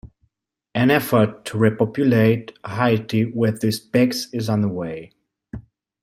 An effort to repopulate Haiti with these pigs is underway.